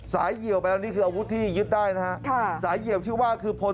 ตอนนี้ก็ยิ่งแล้ว